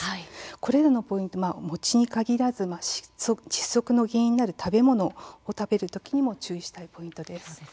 これらのポイントは餅に限らず窒息の原因になる食べ物を食べるときにも注意したいポイントです。